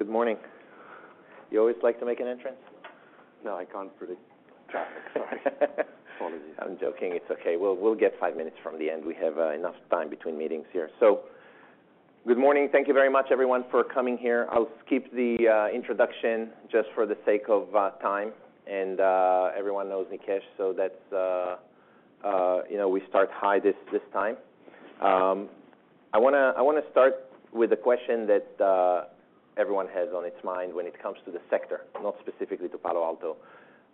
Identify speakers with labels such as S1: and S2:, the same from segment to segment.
S1: Good morning. You always like to make an entrance?
S2: No, I can't predict traffic. Sorry. Apologies.
S1: I'm joking. It's okay. We'll get five minutes from the end. We have enough time between meetings here. Good morning. Thank you very much, everyone, for coming here. I'll skip the introduction just for the sake of time, and everyone knows Nikesh, so that's, you know, we start high this time. I wanna start with a question that everyone has on its mind when it comes to the sector, not specifically to Palo Alto.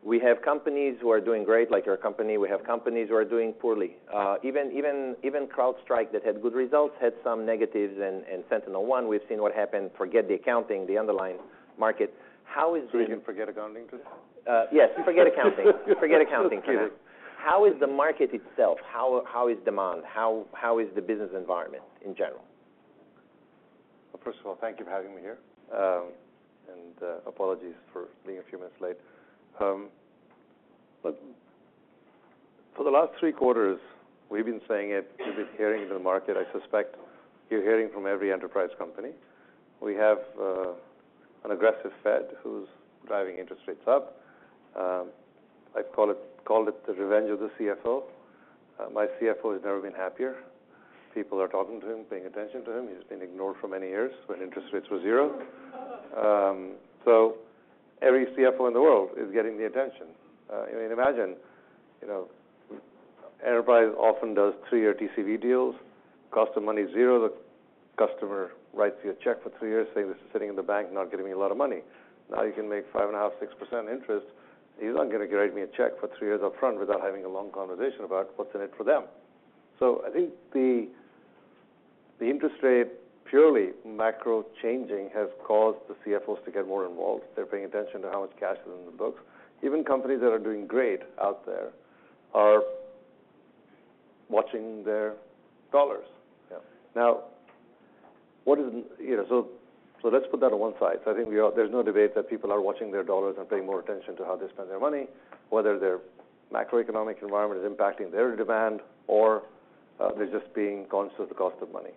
S1: We have companies who are doing great, like your company. We have companies who are doing poorly. Even CrowdStrike, that had good results, had some negatives, and SentinelOne, we've seen what happened. Forget the accounting, the underlying market. How is the-
S2: We can forget accounting today?
S1: Yes, forget accounting. Forget accounting today. How is the market itself? How is demand? How is the business environment in general?
S2: First of all, thank you for having me here, and apologies for being a few minutes late. For the last three quarters, we've been saying it, you've been hearing in the market, I suspect you're hearing from every enterprise company. We have an aggressive Fed who's driving interest rates up. I called it the revenge of the CFO. My CFO has never been happier. People are talking to him, paying attention to him. He's been ignored for many years when interest rates were zero. Every CFO in the world is getting the attention. I mean, imagine, you know, enterprise often does three-year TCV deals. Cost of money is zero. The customer writes you a check for three years, saying, "This is sitting in the bank, not getting me a lot of money." Now, you can make 5.5%, 6% interest, he's not gonna write me a check for three years upfront without having a long conversation about what's in it for them. I think the interest rate, purely macro changing, has caused the CFOs to get more involved. They're paying attention to how much cash is in the books. Even companies that are doing great out there are watching their dollars.
S1: Yeah.
S2: What is... You know, let's put that on one side. I think there's no debate that people are watching their dollars and paying more attention to how they spend their money, whether their macroeconomic environment is impacting their demand or they're just being conscious of the cost of money.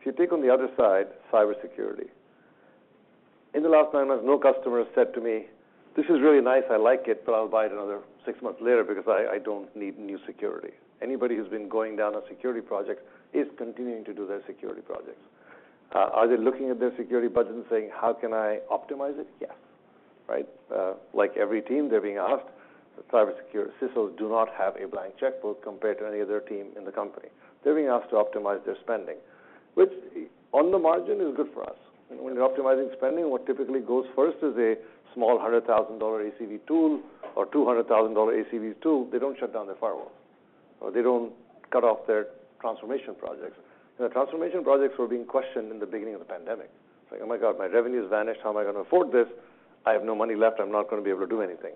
S2: If you take on the other side, cybersecurity. In the last nine months, no customer has said to me, "This is really nice, I like it, but I'll buy it another six months later because I don't need new security." Anybody who's been going down a security project is continuing to do their security projects. Are they looking at their security budget and saying: How can I optimize it? Yes. Right? Like every team, they're being asked, the cybersecurity CISOs do not have a blank checkbook compared to any other team in the company. They're being asked to optimize their spending, which on the margin, is good for us. When you're optimizing spending, what typically goes first is a small $100,000 ACV tool or $200,000 ACV tool. They don't shut down their firewall, or they don't cut off their transformation projects. The transformation projects were being questioned in the beginning of the pandemic. It's like, oh, my God, my revenue's vanished. How am I gonna afford this? I have no money left. I'm not gonna be able to do anything.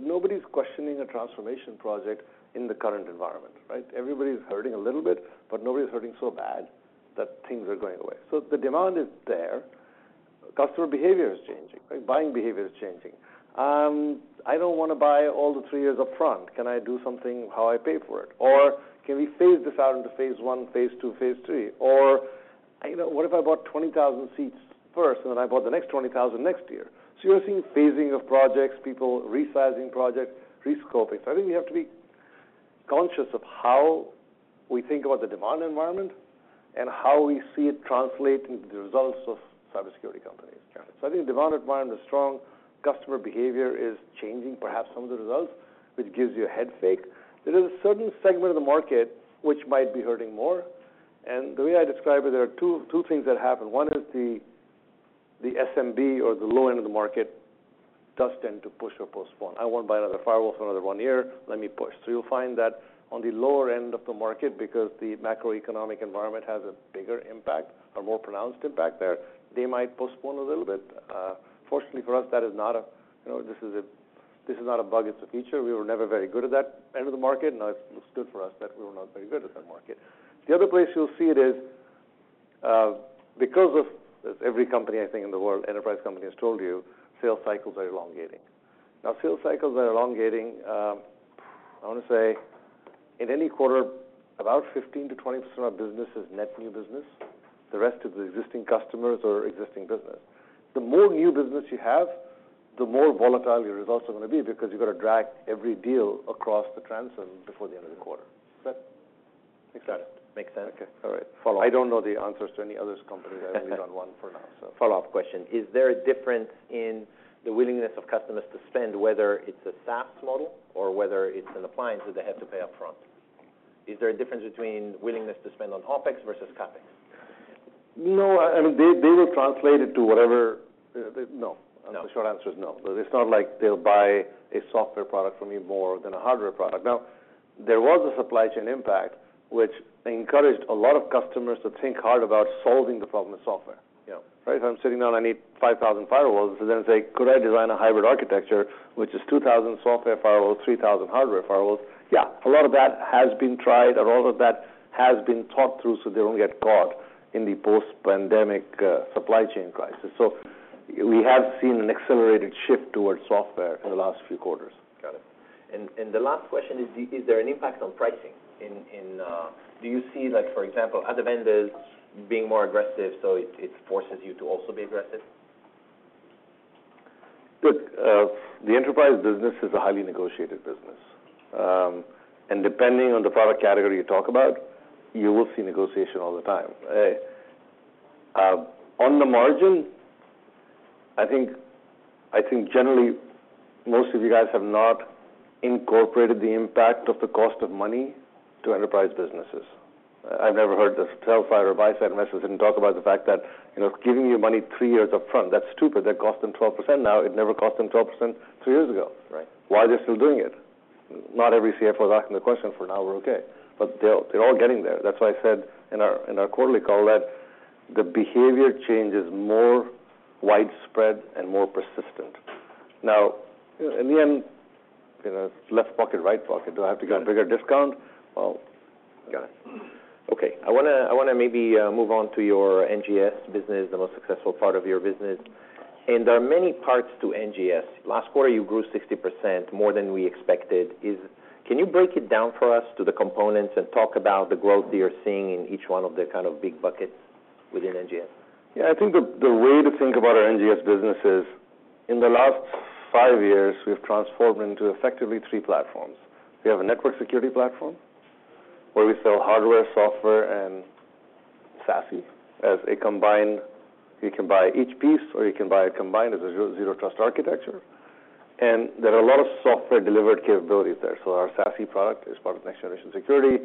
S2: Nobody's questioning a transformation project in the current environment, right? Everybody's hurting a little bit, but nobody's hurting so bad that things are going away. The demand is there. Customer behavior is changing, right? Buying behavior is changing. I don't wanna buy all the three years upfront. Can I do something how I pay for it? Can we phase this out into phase I, phase II, phase III? You know, what if I bought 20,000 seats first, and then I bought the next 20,000 next year? You're seeing phasing of projects, people resizing projects, rescoping. I think we have to be conscious of how we think about the demand environment and how we see it translating to the results of cybersecurity companies, currently. I think demand environment is strong, customer behavior is changing, perhaps some of the results, which gives you a head fake. There is a certain segment of the market which might be hurting more, and the way I describe it, there are two things that happen. SMB or the low end of the market, does tend to push or postpone. I won't buy another firewall for another one year, let me push. You'll find that on the lower end of the market, because the macroeconomic environment has a bigger impact or more pronounced impact there, they might postpone a little bit. Fortunately for us, that is not a, you know, this is not a bug, it's a feature. We were never very good at that end of the market, and now it's good for us that we were not very good at that market. The other place you'll see it is, because of, as every company, I think, in the world, enterprise company has told you, sales cycles are elongating. Now, sales cycles are elongating, I wanna say, in any quarter, about 15%-20% of business is net new business. The rest is the existing customers or existing business. The more new business you have, the more volatile your results are gonna be, because you've got to drag every deal across the transom before the end of the quarter. Does that make sense?
S1: Makes sense.
S2: Okay. All right.
S1: Follow up.
S2: I don't know the answers to any other companies. I only know one for now, so.
S1: Follow-up question: Is there a difference in the willingness of customers to spend, whether it's a SaaS model or whether it's an appliance that they have to pay upfront? Is there a difference between willingness to spend on OpEx versus CapEx?
S2: No, I mean, they will translate it to whatever... No.
S1: No.
S2: The short answer is no. It's not like they'll buy a software product from me more than a hardware product. There was a supply chain impact, which encouraged a lot of customers to think hard about solving the problem of software.
S1: Yeah.
S2: Right? If I'm sitting down, I need 5,000 firewalls, so then say: Could I design a hybrid architecture, which is 2,000 software firewalls, 3,000 hardware firewalls? Yeah, a lot of that has been tried and a lot of that has been thought through, so they don't get caught in the post-pandemic, supply chain crisis. We have seen an accelerated shift towards software in the last few quarters.
S1: Got it. The last question is there an impact on pricing in Do you see like, for example, other vendors being more aggressive, so it forces you to also be aggressive?
S2: Look, the enterprise business is a highly negotiated business. Depending on the product category you talk about, you will see negotiation all the time. On the margin, I think generally, most of you guys have not incorporated the impact of the cost of money to enterprise businesses. I've never heard the sell side or buy side investors didn't talk about the fact that, you know, giving you money three years upfront, that's stupid, that cost them 12% now. It never cost them 12% three years ago.
S1: Right.
S2: Why are they still doing it? Not every CFO is asking the question, for now we're okay, but they're all getting there. That's why I said in our quarterly call that the behavior change is more widespread and more persistent. In the end, you know, left pocket, right pocket, do I have to get a bigger discount? Well...
S1: Got it. Okay, I wanna maybe move on to your NGS business, the most successful part of your business. There are many parts to NGS. Last quarter, you grew 60%, more than we expected. Can you break it down for us to the components and talk about the growth you're seeing in each one of the kind of big buckets within NGS?
S2: I think the way to think about our NGS business is, in the last five years, we've transformed into effectively three platforms. We have a network security platform, where we sell hardware, software, and SASE as a combined. You can buy each piece, or you can buy it combined as a zero trust architecture. There are a lot of software-delivered capabilities there. Our SASE product is part of next generation security.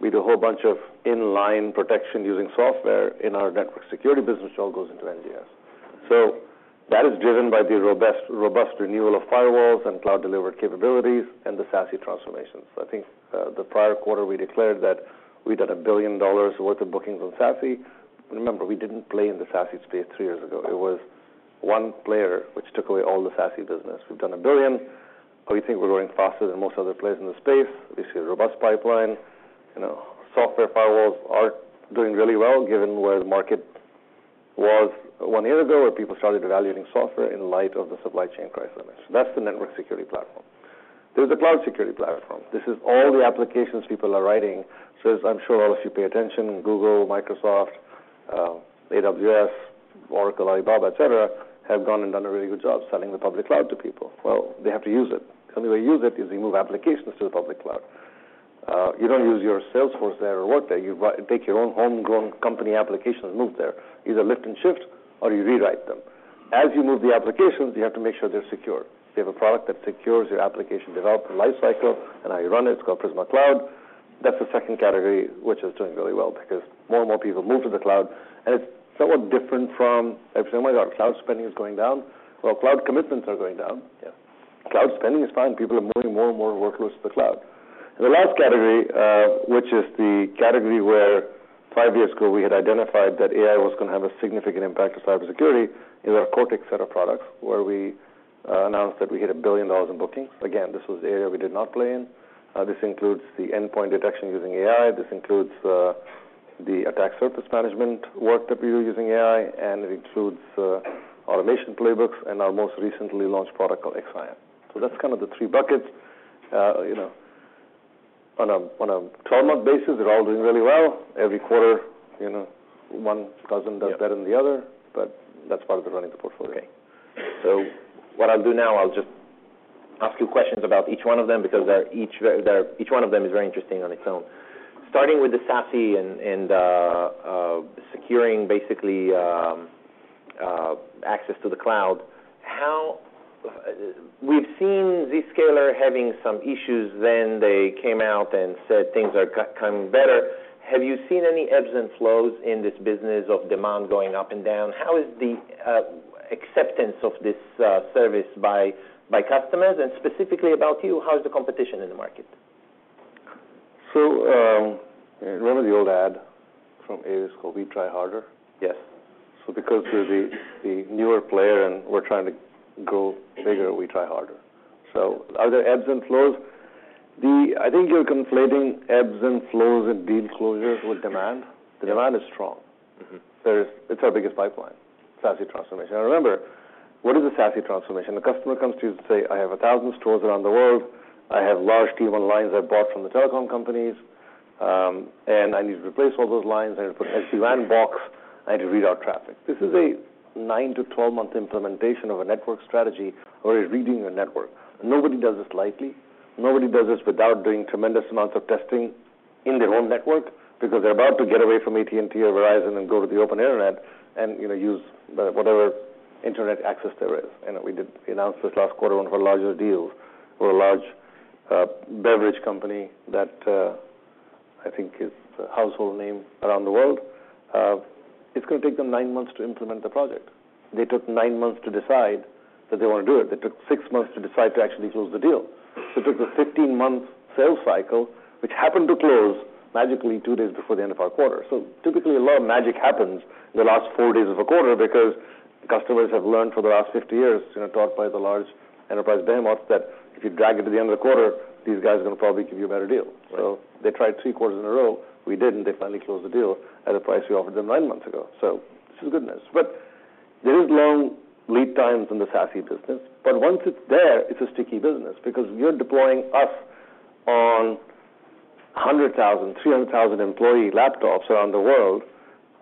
S2: We do a whole bunch of inline protection using software in our network security business, it all goes into NGS. That is driven by the robust renewal of firewalls and cloud-delivered capabilities and the SASE transformations. I think the prior quarter, we declared that we done $1 billion worth of bookings on SASE. Remember, we didn't play in the SASE space three years ago. It was one player which took away all the SASE business. We've done $1 billion. We think we're growing faster than most other players in the space. We see a robust pipeline. You know, software firewalls are doing really well, given where the market was one year ago, where people started evaluating software in light of the supply chain crisis. That's the network security platform. There's a cloud security platform. This is all the applications people are writing. As I'm sure all of you pay attention, Google, Microsoft, AWS, Oracle, Alibaba, et cetera, have gone and done a really good job selling the public cloud to people. Well, they have to use it. They use it as they move applications to the public cloud. You don't use your Salesforce there or Workday, take your own homegrown company applications and move there, either lift and shift or you rewrite them. As you move the applications, you have to make sure they're secure. We have a product that secures your application development life cycle, and how you run it's called Prisma Cloud. That's the second category, which is doing really well because more and more people move to the cloud, and it's somewhat different from... Everybody's like, "Cloud spending is going down?" Well, cloud commitments are going down.
S1: Yeah.
S2: Cloud spending is fine. People are moving more and more workloads to the cloud. The last category, which is the category where five years ago, we had identified that AI was going to have a significant impact on cybersecurity, is our Cortex set of products, where we announced that we hit $1 billion in bookings. Again, this was the area we did not play in. This includes the endpoint detection using AI. This includes the attack surface management work that we do using AI, and it includes automation playbooks and our most recently launched product called XSIAM. That's kind of the three buckets. You know, on a 12-month basis, they're all doing really well. Every quarter, you know, one doesn't does better than the other, but that's part of the running the portfolio.
S1: What I'll do now, I'll just ask you questions about each one of them, because each one of them is very interesting on its own. Starting with the SASE and securing basically access to the cloud, how... We've seen Zscaler having some issues, then they came out and said things are becoming better. Have you seen any ebbs and flows in this business of demand going up and down? How is the acceptance of this service by customers, and specifically about you, how is the competition in the market?
S2: Remember the old ad from Avis, called "We Try Harder?
S1: Yes.
S2: Because we're the newer player and we're trying to go bigger, we try harder. Are there ebbs and flows? I think you're conflating ebbs and flows and deal closures with demand. The demand is strong.
S1: Mm-hmm.
S2: There is. It's our biggest pipeline, SASE transformation. Now, remember, what is a SASE transformation? The customer comes to you to say, "I have 1,000 stores around the world. I have large T1 lines I bought from the telecom companies, and I need to replace all those lines. I need to put an SD-WAN box. I need to read our traffic." This is a nine to 12-month implementation of a network strategy, or rereading your network. Nobody does this lightly. Nobody does this without doing tremendous amounts of testing in their own network, because they're about to get away from AT&T or Verizon and go to the open Internet and, you know, use the whatever internet access there is. We did announce this last quarter, one of our larger deals for a large beverage company that, I think is a household name around the world. It's going to take them nine months to implement the project. They took nine months to decide that they want to do it. They took six months to decide to actually close the deal. It took a 15-month sales cycle, which happened to close magically two days before the end of our quarter. Typically, a lot of magic happens in the last four days of a quarter because customers have learned for the last 50 years, you know, taught by the large enterprise demos, that if you drag it to the end of the quarter, these guys are going to probably give you a better deal. They tried three quarters in a row. We didn't. They finally closed the deal at a price we offered them nine months ago. This is goodness. There is long lead times in the SASE business, once it's there, it's a sticky business, because you're deploying us on 100,000, 300,000 employee laptops around the world.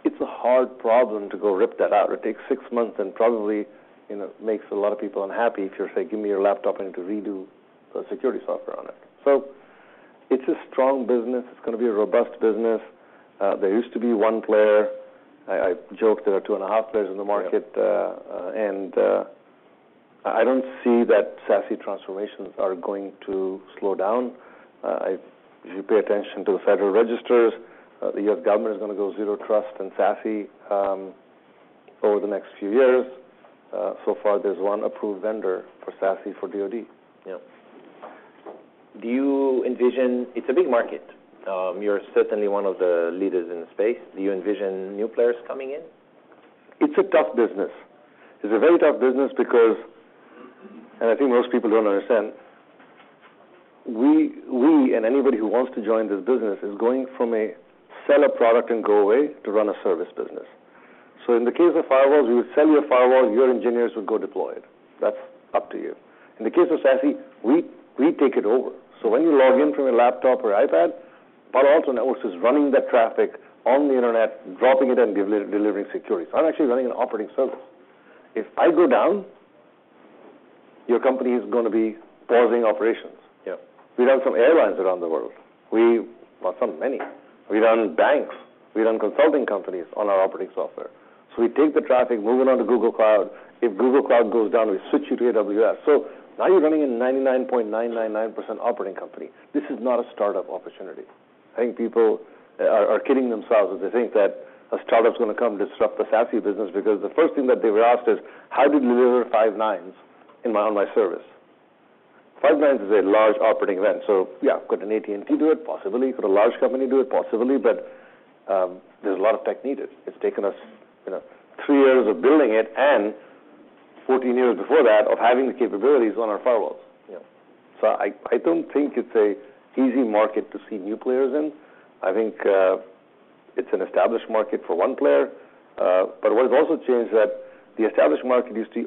S2: It's a hard problem to go rip that out. It takes six months and probably, you know, makes a lot of people unhappy if you're saying, "Give me your laptop, I need to redo the security software on it." It's a strong business. It's gonna be a robust business. There used to be one player. I joke there are two and a half players in the market.
S1: Yeah.
S2: I don't see that SASE transformations are going to slow down. If you pay attention to the federal registers, the U.S. government is gonna go zero trust in SASE over the next few years. So far, there's one approved vendor for SASE, for DoD.
S1: Yeah. Do you envision... It's a big market. You're certainly one of the leaders in the space. Do you envision new players coming in?
S2: It's a tough business. It's a very tough business because, and I think most people don't understand, we, and anybody who wants to join this business, is going from a sell a product and go away to run a service business. In the case of firewalls, we would sell you a firewall, your engineers would go deploy it. That's up to you. In the case of SASE, we take it over. When you log in from a laptop or iPad, Palo Alto Networks is running that traffic on the internet, dropping it and delivering security. I'm actually running an operating service. If I go down, your company is gonna be pausing operations.
S1: Yeah.
S2: We run some airlines around the world. Well, some many. We run banks, we run consulting companies on our operating software. We take the traffic, move it on to Google Cloud. If Google Cloud goes down, we switch you to AWS. Now you're running a 99.999% operating company. This is not a startup opportunity. I think people are kidding themselves if they think that a startup's gonna come disrupt the SASE business, because the first thing that they were asked is, "How do you deliver five nines in my online service?" Five nines is a large operating event. Yeah, could an AT&T do it? Possibly. Could a large company do it? Possibly. There's a lot of tech needed. It's taken us, you know, three years of building it and 14 years before that, of having the capabilities on our firewalls.
S1: Yeah.
S2: I don't think it's a easy market to see new players in. I think it's an established market for one player. What it also shows is that the established market used to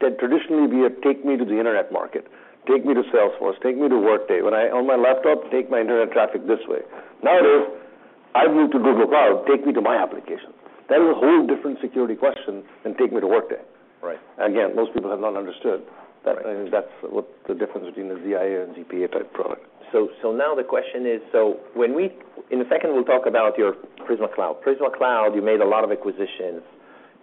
S2: had traditionally be a, "Take me to the internet" market. Take me to Salesforce, take me to Workday. When I on my laptop, take my internet traffic this way. Nowadays, I move to Google Cloud, take me to my application. That is a whole different security question than take me to Workday.
S1: Right.
S2: Again, most people have not understood.
S1: Right
S2: that, I mean, that's what the difference between a ZIA and ZPA type product.
S1: Now the question is. When in a second, we'll talk about your Prisma Cloud. Prisma Cloud, you made a lot of acquisitions.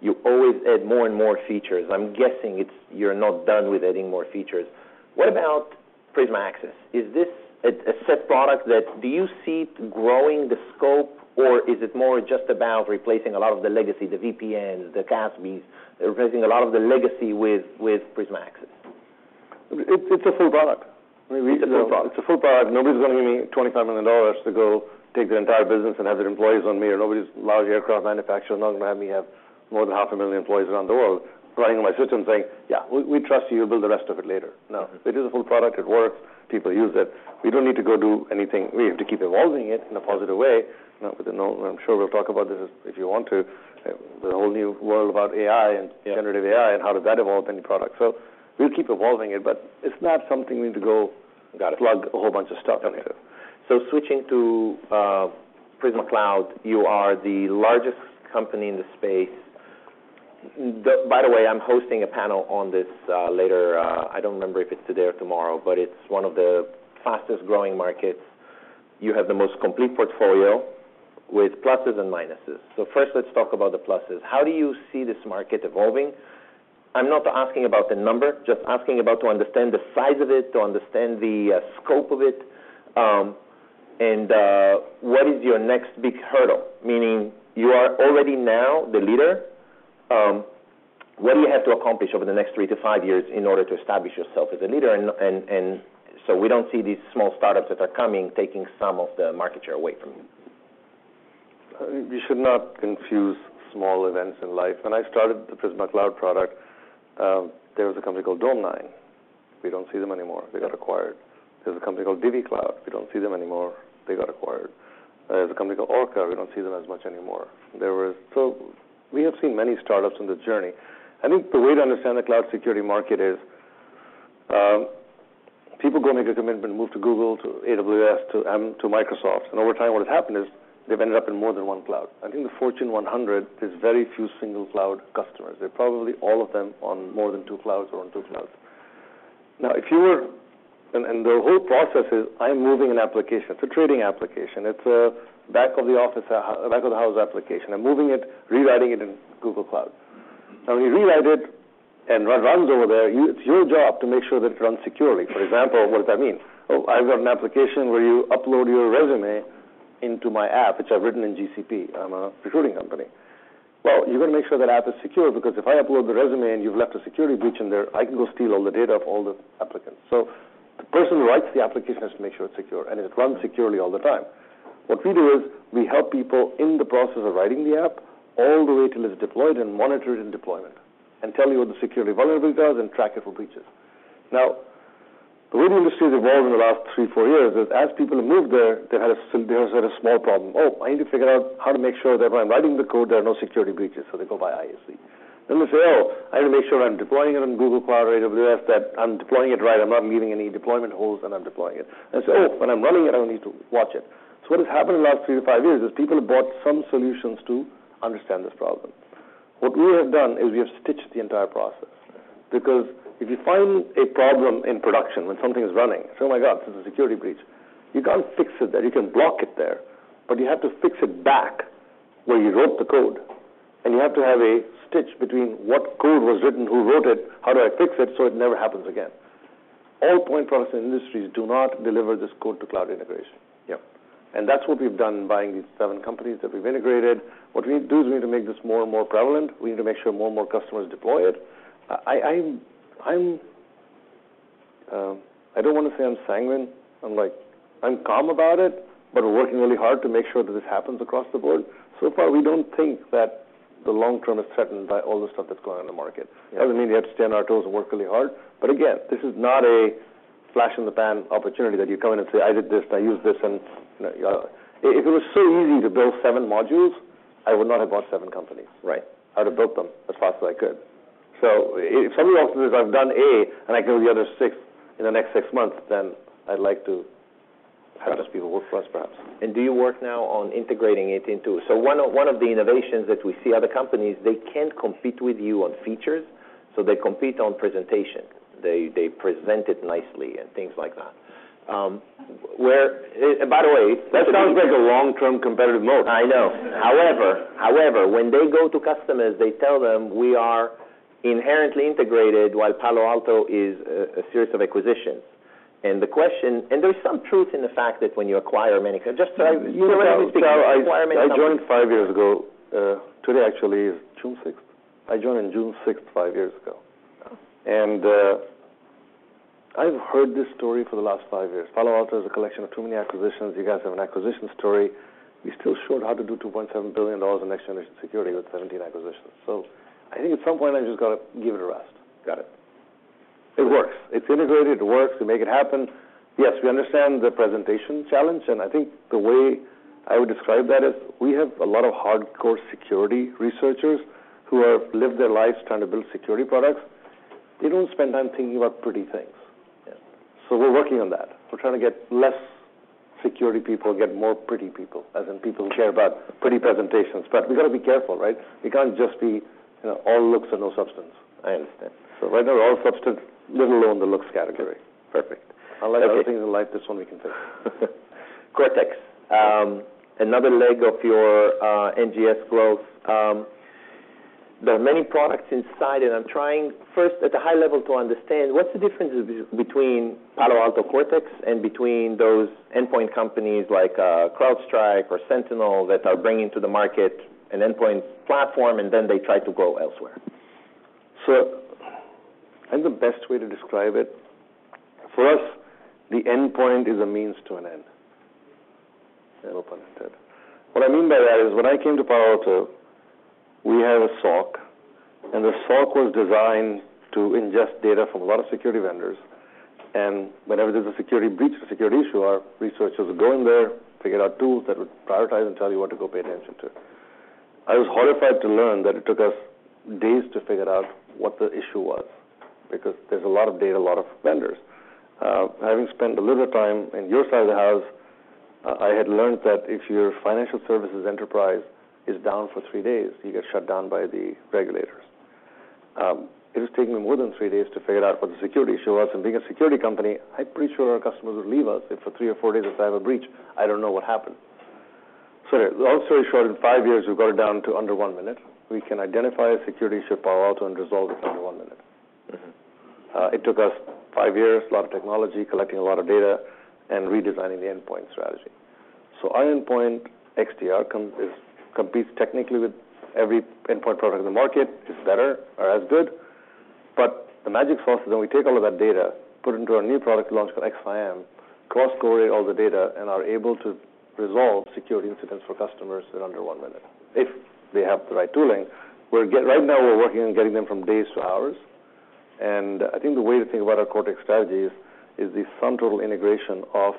S1: You always add more and more features. I'm guessing it's you're not done with adding more features. What about Prisma Access? Is this a set product? Do you see it growing the scope, or is it more just about replacing a lot of the legacy, the VPNs, the CASBs, replacing a lot of the legacy with Prisma Access?
S2: It's a full product.
S1: It's a full product.
S2: It's a full product. Nobody's gonna give me $25 million to go take their entire business and have their employees on me, or nobody's large aircraft manufacturer is not gonna have me have more than half a million employees around the world running my system, saying: "Yeah, we trust you. You'll build the rest of it later." No, it is a full product. It works, people use it. We don't need to go do anything. We have to keep evolving it in a positive way. You know, but I know, I'm sure we'll talk about this, if you want to, the whole new world about AI and-
S1: Yeah
S2: generative AI and how does that evolve any product. We'll keep evolving it, but it's not something we need to.
S1: Got it.
S2: plug a whole bunch of stuff on it.
S1: Switching to Prisma Cloud, you are the largest company in the space. By the way, I'm hosting a panel on this later. I don't remember if it's today or tomorrow, but it's one of the fastest-growing markets. You have the most complete portfolio with pluses and minuses. First, let's talk about the pluses. How do you see this market evolving? I'm not asking about the number, just asking about to understand the size of it, to understand the scope of it. What is your next big hurdle? Meaning, you are already now the leader. What do you have to accomplish over the next three to five years in order to establish yourself as a leader, and so we don't see these small startups that are coming, taking some of the market share away from you?
S2: You should not confuse small events in life. When I started the Prisma Cloud product, there was a company called Dome9. We don't see them anymore. They got acquired. There was a company called DivvyCloud. We don't see them anymore. They got acquired. There was a company called Orca. We don't see them as much anymore. We have seen many startups on this journey. I think the way to understand the cloud security market is, people go make a commitment, move to Google, to AWS, to Microsoft, and over time, what has happened is, they've ended up in more than one cloud. I think the Fortune 100, there's very few single cloud customers. They're probably all of them on more than two clouds or on two clouds. The whole process is, I'm moving an application. It's a trading application. It's a back of the office, back of the house application. I'm moving it, rewriting it in Google Cloud. When you rewrite it and it runs over there, it's your job to make sure that it runs securely. For example, what does that mean? I've got an application where you upload your resume into my app, which I've written in GCP. I'm a recruiting company. You're gonna make sure that app is secure, because if I upload the resume and you've left a security breach in there, I can go steal all the data of all the applicants. The person who writes the application has to make sure it's secure, and it runs securely all the time. What we do is, we help people in the process of writing the app, all the way till it's deployed and monitored in deployment, and tell you what the security vulnerability does and track it for breaches. The way the industry has evolved in the last three, four years, is as people have moved there was a small problem. Oh, I need to figure out how to make sure that when I'm writing the code, there are no security breaches, so they go by IaC. They say, I need to make sure I'm deploying it on Google Cloud or AWS, that I'm deploying it right, I'm not leaving any deployment holes when I'm deploying it. Say, when I'm running it, I will need to watch it. What has happened in the last three to five years, is people have bought some solutions to understand this problem. What we have done, is we have stitched the entire process. If you find a problem in production when something is running, say, my God, this is a security breach. You can't fix it there. You can block it there, but you have to fix it back where you wrote the code, and you have to have a stitch between what code was written, who wrote it, how do I fix it so it never happens again? All point products in industries do not deliver this code-to-cloud integration.
S1: Yep.
S2: That's what we've done buying these seven companies that we've integrated. What we need to do is we need to make this more and more prevalent. We need to make sure more and more customers deploy it. I'm, I don't want to say I'm sanguine. I'm like, I'm calm about it, but we're working really hard to make sure that this happens across the board. So far, we don't think that the long term is threatened by all the stuff that's going on in the market.
S1: Yeah.
S2: That doesn't mean we have to stand our toes and work really hard. Again, this is not a flash in the pan opportunity that you come in and say, I did this, and I used this, and, you know. If it was so easy to build seven modules, I would not have bought seven companies.
S1: Right.
S2: I'd have built them as fast as I could. If somebody else says, I've done A, and I can do the other six in the next six months, I'd like to have those people work for us, perhaps.
S1: Do you work now on integrating it into... One of the innovations that we see other companies, they can't compete with you on features, so they compete on presentation. They present it nicely and things like that. Where, by the way.
S2: That sounds like a long-term competitive mode.
S1: I know. However, when they go to customers, they tell them we are inherently integrated, while Palo Alto is a series of acquisitions. The question, there's some truth in the fact that when you acquire many...
S2: I joined five years ago, today actually is June sixth. I joined on June sixth, five years ago. I've heard this story for the last five years. Palo Alto is a collection of too many acquisitions. You guys have an acquisition story. You're still short how to do $2.7 billion in next-generation security with 17 acquisitions. I think at some point, I just got to give it a rest.
S1: Got it.
S2: It works. It's integrated, it works, we make it happen. Yes, we understand the presentation challenge. I think the way I would describe that is, we have a lot of hardcore security researchers who have lived their lives trying to build security products. They don't spend time thinking about pretty things.
S1: Yeah.
S2: We're working on that. We're trying to get less security people, get more pretty people, as in people who care about pretty presentations. We got to be careful, right? We can't just be all looks and no substance.
S1: I understand.
S2: Right now, we're all substance, let alone the looks category.
S1: Perfect.
S2: Unlike other things in life, this one we can take.
S1: Cortex. Another leg of your NGS growth. There are many products inside, and I'm trying, first, at a high level, to understand what's the difference between Palo Alto Cortex and between those endpoint companies like CrowdStrike or Sentinel, that are bringing to the market an endpoint platform, and then they try to go elsewhere?
S2: I think the best way to describe it, for us, the endpoint is a means to an end. It opened it. What I mean by that is, when I came to Palo Alto, we had a SOC, and the SOC was designed to ingest data from a lot of security vendors, and whenever there was a security breach or security issue, our researchers would go in there, figure out tools that would prioritize and tell you what to go pay attention to. I was horrified to learn that it took us days to figure out what the issue was, because there's a lot of data, a lot of vendors. Having spent a little time in your side of the house, I had learned that if your financial services enterprise is down for three days, you get shut down by the regulators. It is taking me more than three days to figure out what the security issue was, and being a security company, I'm pretty sure our customers would leave us if for three or four days if I have a breach, I don't know what happened. Long story short, in five years, we got it down to under one minute. We can identify a security issue at Palo Alto and resolve it in under one minute.
S1: Mm-hmm.
S2: It took us five years, a lot of technology, collecting a lot of data, and redesigning the endpoint strategy. Our endpoint, XDR, competes technically with every endpoint product in the market. It's better or as good. The magic sauce is when we take all of that data, put it into our new product launch called XSIAM, cross-correlate all the data, and are able to resolve security incidents for customers in under one minute, if they have the right tooling. Right now, we're working on getting them from days to hours, and I think the way to think about our Cortex strategy is the sum total integration of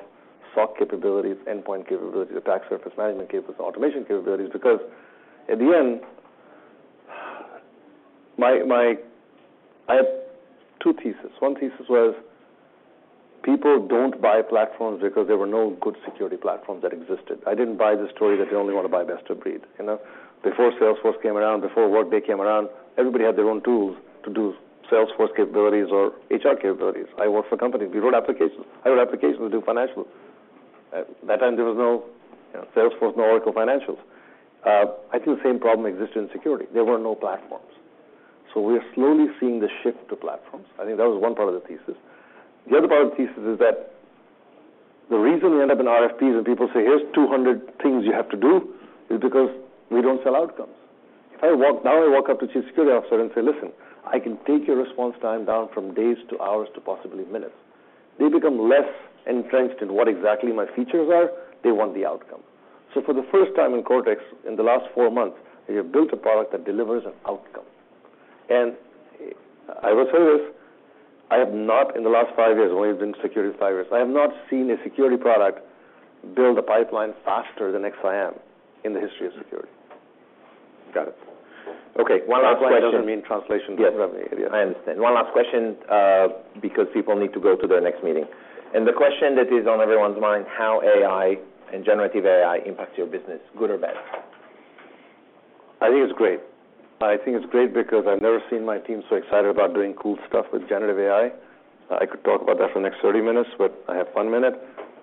S2: SOC capabilities, endpoint capabilities, attack surface management capabilities, automation capabilities, because at the end, my... I have two pieces. One piece was, people don't buy platforms because there were no good security platforms that existed. I didn't buy the story that they only want to buy best of breed, you know. Before Salesforce came around, before Workday came around, everybody had their own tools to do Salesforce capabilities or HR capabilities. I worked for a company, we wrote applications. I wrote applications to do financial. At that time, there was no Salesforce, no Oracle Financials. I think the same problem exists in security. There were no platforms. We are slowly seeing the shift to platforms. I think that was one part of the thesis. The other part of the thesis is that the reason we end up in RFPs and people say: Here's 200 things you have to do, is because we don't sell outcomes. Now I walk up to chief security officer and say: Listen, I can take your response time down from days to hours to possibly minutes. They become less entrenched in what exactly my features are. They want the outcome. For the first time in Cortex, in the last four months, we have built a product that delivers an outcome. I will tell you this, I have not in the last five years, only been in security five years, I have not seen a security product build a pipeline faster than XSIAM in the history of security.
S1: Got it. Okay, one last question.
S2: That doesn't mean translation.
S1: Yes, I understand. One last question, because people need to go to their next meeting. The question that is on everyone's mind, how AI and generative AI impacts your business, good or bad?
S2: I think it's great. I think it's great because I've never seen my team so excited about doing cool stuff with generative AI. I could talk about that for the next 30 minutes, but I have one minute.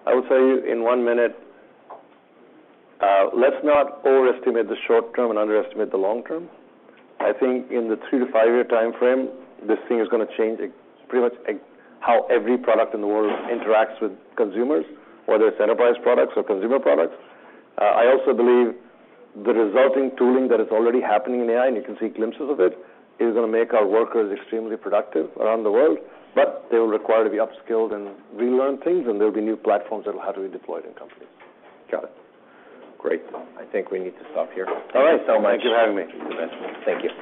S2: I would say in one minute, let's not overestimate the short term and underestimate the long term. I think in the three to five year time frame, this thing is gonna change pretty much how every product in the world interacts with consumers, whether it's enterprise products or consumer products. I also believe the resulting tooling that is already happening in AI, and you can see glimpses of it, is gonna make our workers extremely productive around the world, but they will require to be upskilled and relearn things, and there will be new platforms that will have to be deployed in companies.
S1: Got it. Great. I think we need to stop here.
S2: All right.
S1: Thank you so much.
S2: Thank you for having me.
S1: Thank you.